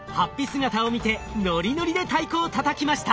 姿を見てノリノリで太鼓をたたきました。